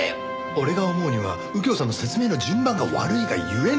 俺が思うには右京さんの説明の順番が悪いが故に。